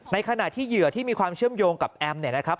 ขณะที่เหยื่อที่มีความเชื่อมโยงกับแอมเนี่ยนะครับ